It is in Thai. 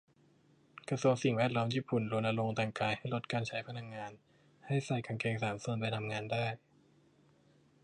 กระทรวงสิ่งแวดล้อมญี่ปุ่น รณรงค์แต่งกายให้ลดการใช้พลังงาน ให้ใส่กางสามส่วนไปทำงานได้